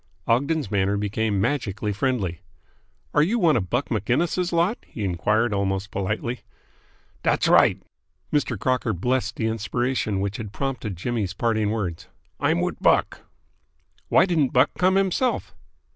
Ogden's manner became magically friendly. "Are you one of Buck Maginnis' lot?" he enquired almost politely. "Dat's right!" Mr. Crocker blessed the inspiration which had prompted Jimmy's parting words. "I'm wit Buck." "Why didn't Buck come himself?"